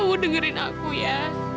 aku dengerin kamu ya